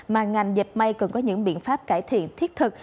mà ngành dẹp mây cần có những biện pháp cải thiện thiết thực